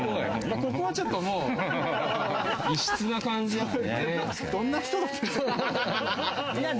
ここは、ちょっともう異質な感じだったので。